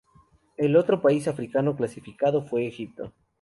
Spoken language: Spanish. El otro país africano clasificado fue Egipto.